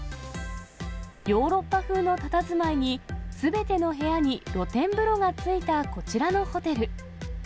ヨーロッパ風のたたずまいに、すべての部屋に露天風呂がついたこちらのホテル。